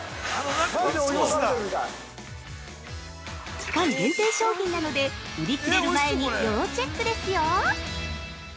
◆期間商品なので売り切れる前に要チェックですよ！